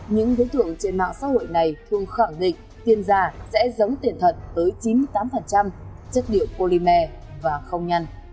những đối tượng trên mạng xã hội này thường khẳng định tiền giả sẽ giống tiền thật tới chín mươi tám chất điệu polymer và không nhăn